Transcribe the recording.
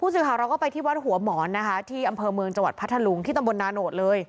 สื่อข่าวเราก็ไปที่วัดหัวหมอนนะคะที่อำเภอเมืองจังหวัดพัทธลุงที่ตำบลนาโนธเลย